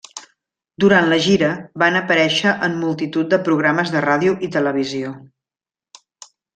Durant la gira, van aparèixer en multitud de programes de ràdio i televisió.